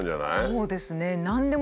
そうですね。